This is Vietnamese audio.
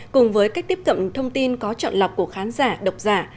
cùng với cách tiếp cận thông tin có chọn lọc của khán giả độc giả